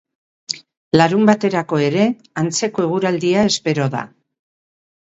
Larunbaterako ere, antzeko eguraldia espero da.